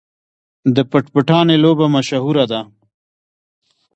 د پټ پټانې لوبه مشهوره ده.